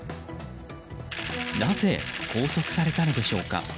なぜ、拘束されたのでしょうか。